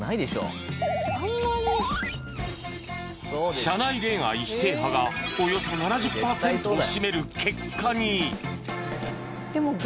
社内恋愛否定派がおよそ７０パーセントを占める結果に